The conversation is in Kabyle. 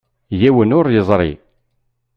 Yiwen ur yeẓri.